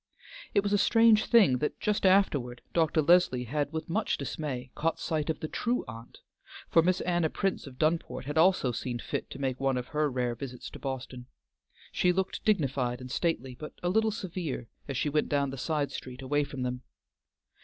It was a strange thing that, just afterward, Dr. Leslie had, with much dismay, caught sight of the true aunt; for Miss Anna Prince of Dunport had also seen fit to make one of her rare visits to Boston. She looked dignified and stately, but a little severe, as she went down the side street away from them.